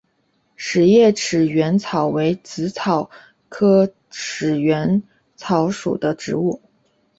匙叶齿缘草为紫草科齿缘草属的植物。